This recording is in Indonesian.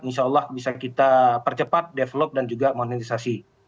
insya allah bisa kita percepat develop dan juga modernisasi